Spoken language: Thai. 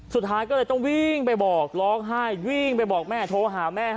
สุดท้ายก็เลยต้องวิ่งไปบอกร้องไห้วิ่งไปบอกแม่โทรหาแม่